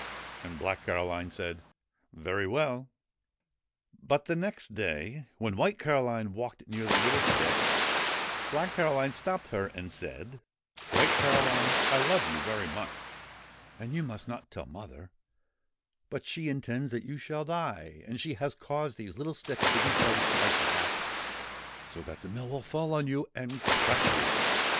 ' And Black Caroline said, ' f^ery well I ' But the next day, when White Caroline walked near the little sticks, Black Caroline stopped her and said :' White Caroline, I love you very much, and you must not tell 18 WHITE CAROLINE AND BLACK CAROLINE mother ; but she intends that you shall die, and she has caused these little sticks to be placed like that, so that the mill will fall on you and crush you.